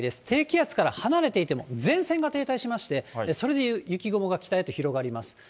低気圧から離れていても、前線が停滞しまして、それで雪雲が北へと広がります。